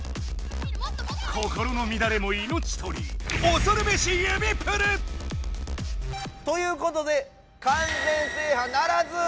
心のみだれも命取りおそるべし指プル！ということで完全制覇ならず！